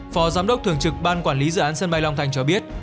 phó giám đốc thường trực ban quản lý dự án sân bay long thành cho biết